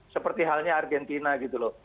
seperti halnya argentina gitu loh